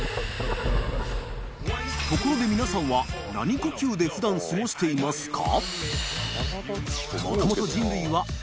磴箸海蹐みなさんは何呼吸で普段過ごしていますか？